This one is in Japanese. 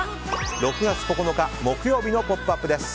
６月９日、木曜日の「ポップＵＰ！」です。